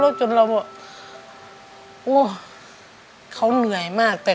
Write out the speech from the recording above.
เรียกกันว่าไม่ว่าจะงานขับรถเล่นดูแลเราเป็นอย่างดีตลอดสี่ปีที่ผ่านมา